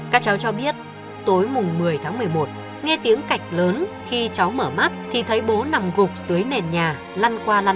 các cháu cho biết tối mùng một mươi tháng một mươi một nghe tiếng cạch lớn khi cháu mở mắt thì thấy bố nằm gục dưới nền nhà lăn qua